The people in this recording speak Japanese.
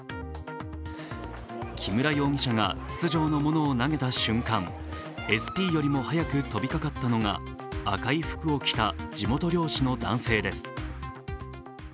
木村容疑者が筒状の物を投げた瞬間、ＳＰよりも早く飛びかかったのが赤い服を着た地元漁師の男性です。